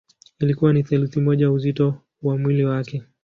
Ilikuwa ni theluthi moja ya uzito wa mwili wake.